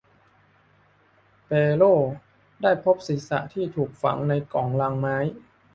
แปโรได้พบศีรษะที่ถูกฝังในกล่องลังไม้